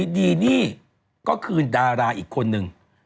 ดีนี่ก็คือดาราอีกคนนึง